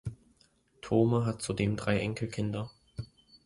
Thome hat zudem drei Enkelkinder.